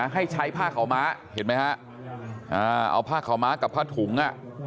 ให้ใช้ผ้าขาวม้าเห็นไหมฮะเอาผ้าขาวม้ากับผ้าถุงอ่ะ